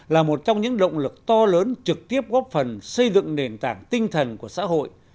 là một trong những động lực to lớn trực tiếp góp phần xây dựng nền tảng tinh thần của xã hội